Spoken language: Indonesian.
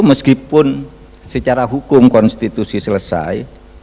meskipun secara hukum konstitusi selesai